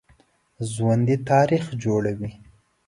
ژوندي تاریخ جوړوي